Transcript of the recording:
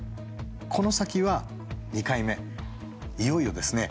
この先は２回目いよいよですね